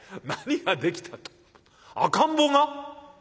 何ができたって赤ん坊が？